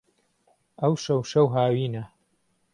ئهوشهو شهو هاوینه